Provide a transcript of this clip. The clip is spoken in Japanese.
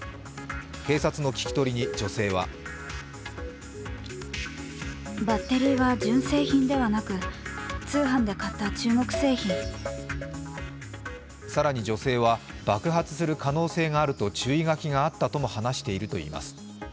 警察の聞き取りに女性は更に女性は、爆発する可能性があると注意書きがあったとも話しているといいます。